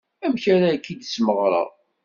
Amek ara k-id-smeɣreɣ.